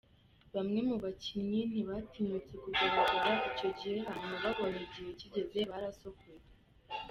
Bamwe mu bakinyi ntibatinyutse kugaragara ico gihe, hanyuma babonye igihe kigeze, barasokoye.